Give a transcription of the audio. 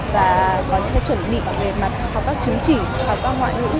và có những cái chuẩn bị về mặt học các chứng chỉ học các ngoại ngũ